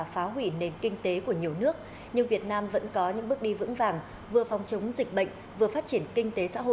hãy đăng ký kênh để ủng hộ kênh của chúng mình nhé